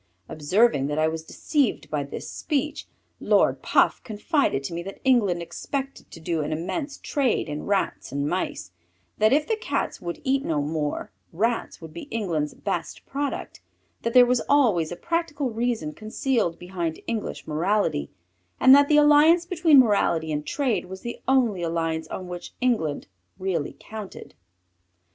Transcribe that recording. Observing that I was deceived by this speech, Lord Puff confided to me that England expected to do an immense trade in Rats and Mice; that if the Cats would eat no more, Rats would be England's best product; that there was always a practical reason concealed behind English morality; and that the alliance between morality and trade was the only alliance on which England really counted.